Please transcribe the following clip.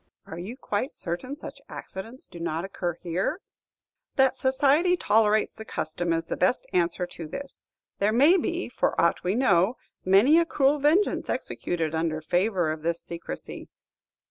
"Are you quite certain such accidents do not occur here?" "That society tolerates the custom is the best answer to this. There may be, for aught we know, many a cruel vengeance executed under favor of this secrecy.